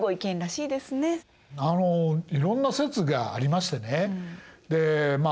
あのいろんな説がありましてねでまあ